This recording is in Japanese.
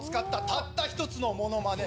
たった一つのモノマネ